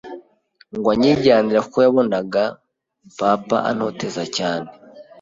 ngo anyijyanire kuko yabonaga papa antoteza cyane,